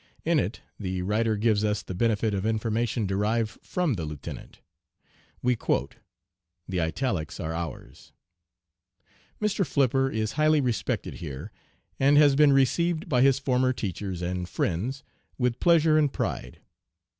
In it the writer gives us the benefit of information derived from the lieutenant. We quote (the italics are ours): "'Mr. Flipper is highly respected here, and has been received by his former teachers and friends with pleasure and pride.